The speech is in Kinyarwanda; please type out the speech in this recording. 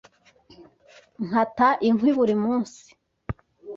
Nkata inkwi buri munsi.